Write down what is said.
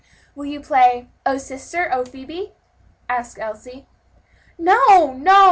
"Will you play 'O sister, O Phebe?'" asked Elsie. "No, no!"